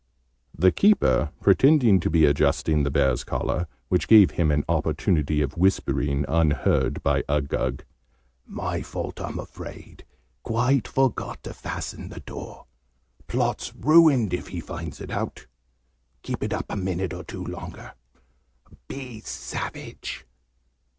The Keeper pretended to be adjusting the bear's collar, which gave him an opportunity of whispering, unheard by Uggug, "my fault, I'm afraid! Quite forgot to fasten the door. Plot's ruined if he finds it out! Keep it up a minute or two longer. Be savage!"